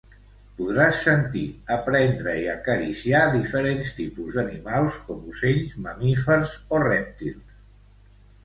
Podràs sentir, aprendre i acariciar diferents tipus d'animals, com ocells, mamífers o rèptils.